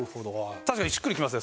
確かにしっくりきますね